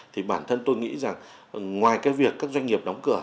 thì bản thân tôi nghĩ rằng ngoài cái việc các doanh nghiệp đóng cửa